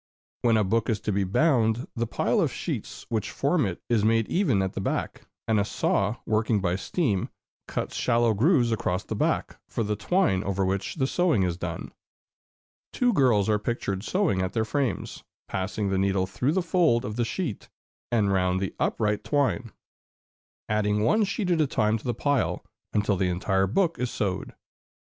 When a book is to be bound, the pile of sheets which form it is made even at the back, and a saw, working by steam, cuts shallow grooves across the back, for the twine over which the sewing is done. Two girls are pictured sewing at their frames, passing the needle through the fold of the sheet and round the upright twine, adding one sheet at a time to the pile, until the entire book is sewed.